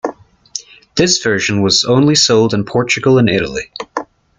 This version was only sold in Portugal and Italy.